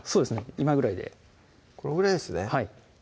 今ぐらいでこのぐらいですね